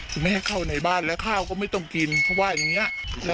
คุณแม่เข้าในบ้านแล้วข้าวก็ไม่ต้องกินเพราะว่าอย่างนี้